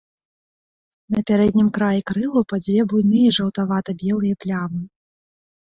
На пярэднім краі крылаў па дзве буйныя жаўтавата-белыя плямы.